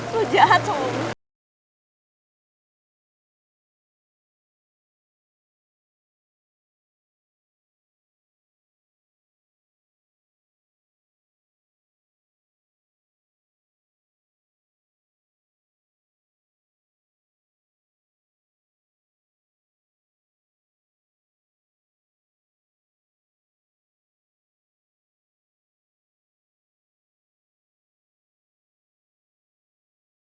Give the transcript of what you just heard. lo jahat sama gue